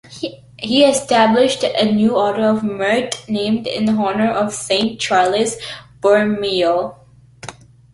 He established a new order of merit named in honour of Saint Charles Borromeo.